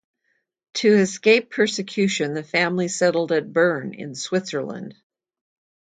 To escape persecution the family settled at Bern, in Switzerland.